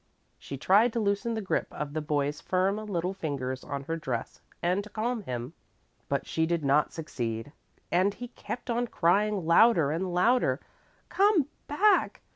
She tried to loosen the grip of the boy's firm little fingers on her dress and to calm him, but she did not succeed, and he kept on crying louder and louder: "Come back!